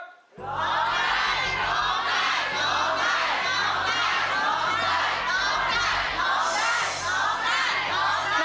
โรงได้